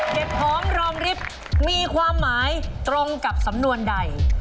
หอมรองริบมีความหมายตรงกับสำนวนใด